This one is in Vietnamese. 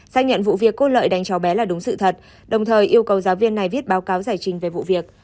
xác nhận vụ việc cô lợi đánh cháu bé là đúng sự thật đồng thời yêu cầu giáo viên này viết báo cáo giải trình về vụ việc